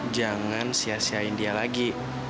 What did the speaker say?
jangan sia siain dia lagi